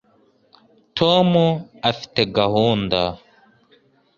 tom afite gahunda